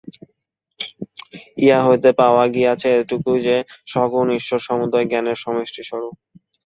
ইহা হইতে পাওয়া গিয়াছে এইটুকু যে, সগুণ ঈশ্বর সমুদয় জ্ঞানের সমষ্টিস্বরূপ।